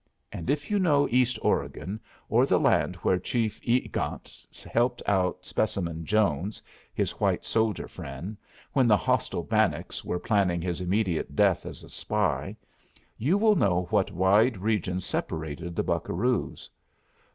And if you know east Oregon, or the land where Chief E egante helped out Specimen Jones, his white soldier friend, when the hostile Bannocks were planning his immediate death as a spy, you will know what wide regions separated the buccaroos.